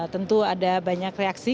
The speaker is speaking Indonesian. tentu ada banyak reaksi